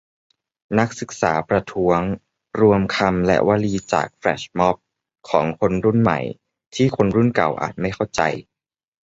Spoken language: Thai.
นักศึกษาประท้วง : รวมคำและวลีจากแฟลชม็อบของคนรุ่นใหม่ที่คนรุ่นเก่าอาจไม่เข้าใจ